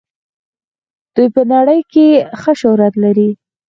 دوی په نړۍ کې ښه شهرت لري.